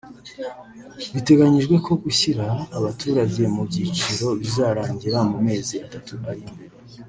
Biteganyijwe ko gushyira abaturage mu byiciro bizarangira mu mezi atatu ari imbere